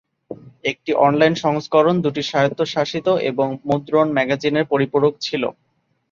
এটির অনলাইন সংস্করণ দুটি স্বায়ত্তশাসিত এবং মুদ্রণ ম্যাগাজিনের পরিপূরক ছিল।